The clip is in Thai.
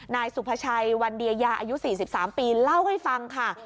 นายสุภาชัยวันเดียยาอายุ๔๓ปีเล่าให้ฟังค่ะ